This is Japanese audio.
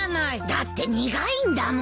だって苦いんだもん。